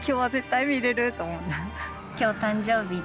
今日誕生日で。